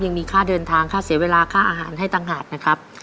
ยังมีค่าเดินทางค่าเสียเวลาค่าอาหารให้ต่างหากนะครับ